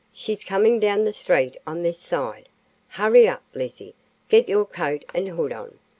"She's coming down the street on this side. Hurry up, Lizzie. Get your coat and hood on.